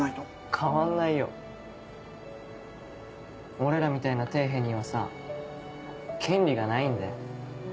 変わんないよ。俺らみたいな底辺にはさ権利がないんだよ。